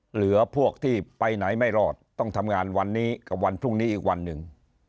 เหลือพวกที่ไปไหนไม่รอดต้องทำงานวันนี้กับวันพรุ่งนี้อีกวันหนึ่ง